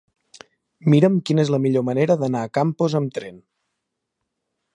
Mira'm quina és la millor manera d'anar a Campos amb tren.